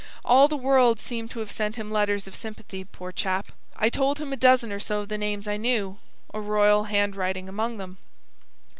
All the world seemed to have sent him letters of sympathy, poor chap. I told him a dozen or so of the names I knew, a royal handwriting among them.